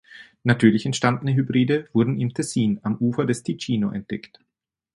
Natürlich entstandene Hybride wurden im Tessin am Ufer des Ticino entdeckt.